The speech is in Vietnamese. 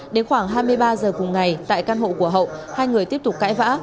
đến khoảng hai mươi ba giờ cùng ngày tại căn hộ của hậu hai người tiếp tục cãi vã